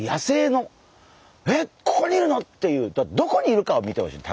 「えっここにいるの？」っていうどこにいるかを見てほしい。